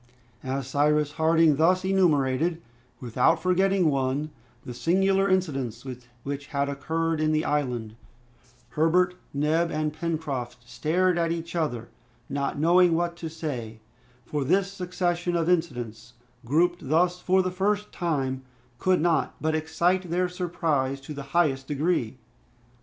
As Cyrus Harding thus enumerated, without forgetting one, the singular incidents which had occurred in the island, Herbert, Neb, and Pencroft stared at each other, not knowing what to reply, for this succession of incidents, grouped thus for the first time, could not but excite their surprise to the highest degree.